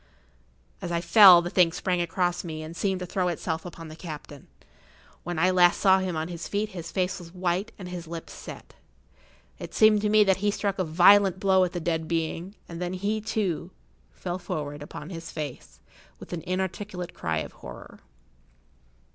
As I fell the thing sprang across me, and seemed to throw itself upon the captain. When I last saw him on his feet his face was white and his lips set. It seemed to me that he struck a violent blow at the dead being, and then he,[Pg 68] too, fell forward upon his face, with an inarticulate cry of horror.